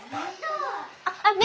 あっねえ